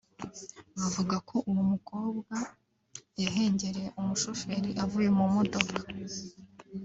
bavuga ko uwo mukobwa yahengereye umushoferi avuye mu modoka